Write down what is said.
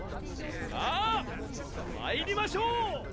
さあっ参りましょう！